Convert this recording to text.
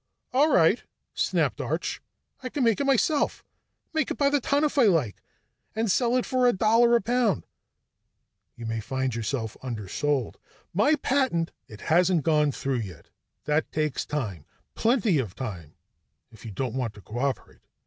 "All right," snapped Arch. "I can make it myself. Make it by the ton if I like, and sell it for a dollar a pound." "You may find yourself undersold." "My patent " "It hasn't gone through yet. That takes time, plenty of time if you don't want to cooperate.